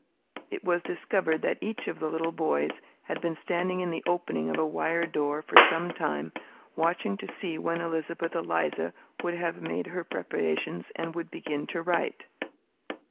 It was discovered that each of the little boys had been standing in the opening of a wire door for some time, watching to see when Elizabeth Eliza would have made her preparations and would begin to write.